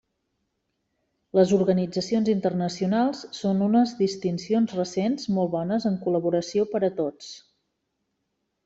Les organitzacions internacionals són unes distincions recents molt bones en col·laboració per a tots.